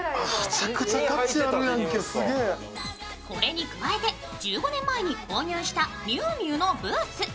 これに加えて１５年前に購入したＭＩＵＭＩＵのブーツ。